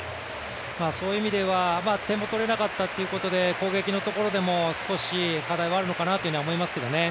そういう意味では、点も取れなかったということで攻撃のところでも少し課題はあるのかなと思いますけどね。